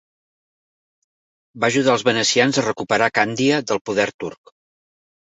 Va ajudar els venecians a recuperar Càndia del poder turc.